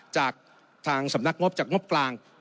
จากทางสำนักงบจากงบกลาง